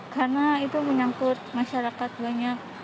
karena itu menyangkut masyarakat banyak